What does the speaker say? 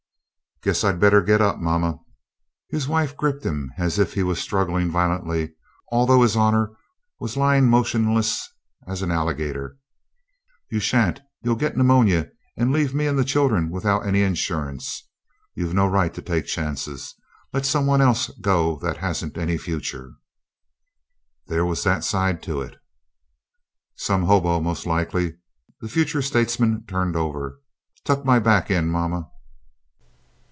"Guess I'd better get up, Mamma." His wife gripped him as if he was struggling violently, although his Honor was lying motionless as an alligator. "You shan't you'll get pneumonia and leave me and the children without any insurance! You've no right to take chances. Let somebody else go that hasn't any future." There was that side to it. "Some hobo most like." The future statesman turned over. "Tuck my back in, Mamma."